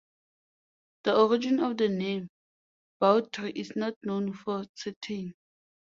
The origin of the name "Bawtry" is not known for certain.